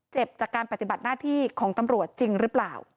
จากการปฏิบัติหน้าที่ของตำรวจจริงหรือเปล่า